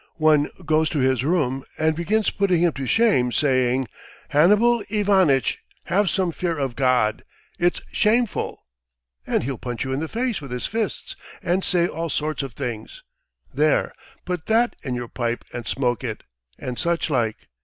One goes to his room and begins putting him to shame, saying: 'Hannibal Ivanitch, have some fear of God! It's shameful! and he'll punch you in the face with his fists and say all sorts of things: 'there, put that in your pipe and smoke it,' and such like.